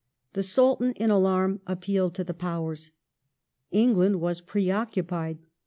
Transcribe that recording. The Sultan, in alarm, appealed to the Powers. England was pre occupied.